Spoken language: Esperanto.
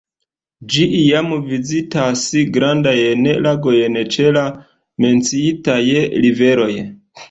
Ĝi iam vizitas grandajn lagojn ĉe la menciitaj riveroj.